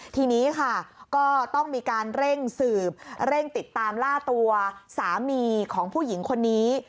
ทีนี้ค่ะก็ต้องมีการเร่งสืบเร่งติดตามล่าตัวสามีของผู้หญิงคนนี้